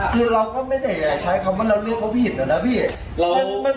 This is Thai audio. คือเราก็ไม่ได้ใช้คำว่าเราเรียกเขาผิดเหรอนะพี่แล้วมัน